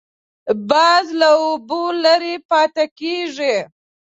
باز له اوبو لرې پاتې کېږي